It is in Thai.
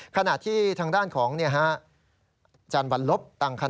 ขณะที่ทางด้านของจันวันลบ